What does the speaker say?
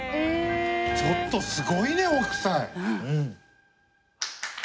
ちょっと凄いね、北斎！